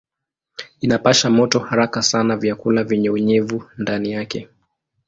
Inapasha moto haraka sana vyakula vyenye unyevu ndani yake.